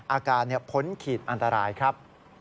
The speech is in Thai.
อาการพ้นขีดอันตรายครับ